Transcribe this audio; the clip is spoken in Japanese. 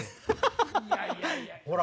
ほら！